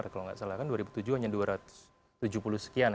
kalau nggak salah kan dua ribu tujuh hanya dua ratus tujuh puluh sekian